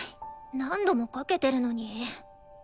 何度もかけてるのに。